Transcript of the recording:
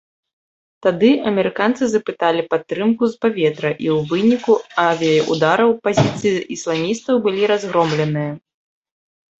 Тады амерыканцы запыталі падтрымку з паветра, і ў выніку авіяўдараў пазіцыі ісламістаў былі разгромленыя.